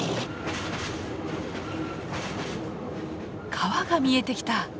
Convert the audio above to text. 川が見えてきた。